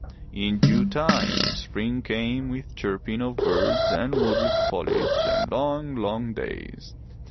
In due time spring came with chirping of birds and woodland foliage and long, long days.